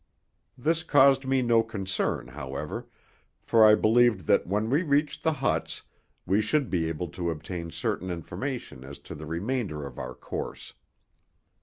This caused me no concern, however, for I believed that when we reached the huts, we should be able to obtain certain information as to the remainder of our course.